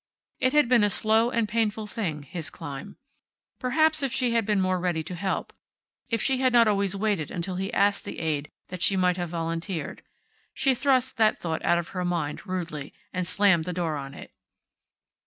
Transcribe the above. It had been a slow and painful thing, his climb. Perhaps if she had been more ready to help, if she had not always waited until he asked the aid that she might have volunteered she thrust that thought out of her mind, rudely, and slammed the door on it....